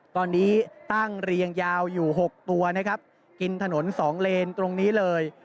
ตอนนี้ตั้งเรียงยาวอยู่๖ตัวนะครับกินถนนสองเลนตรงนี้เลย